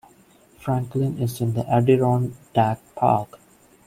Franklin is in the Adirondack Park.